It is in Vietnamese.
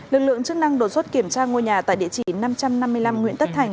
lực lượng chức năng đột xuất kiểm tra ngôi nhà tại địa chỉ năm trăm năm mươi năm nguyễn tất thành